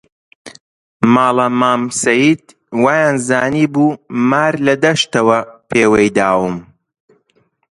ماڵە مامە سەید وەیانزانیبوو مار لە دەشت پێوەی داوم